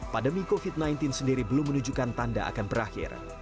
pandemi covid sembilan belas sendiri belum menunjukkan tanda akan berakhir